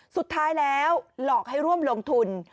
สุดท้ายแล้วหลอกให้ร่วมลงทุน